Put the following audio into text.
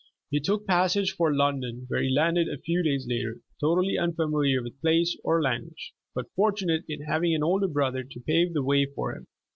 He took passage for London, where he landed a few days later, totally unfamiliar with place or language, but fortu nate in having an older brother to pave the way for him.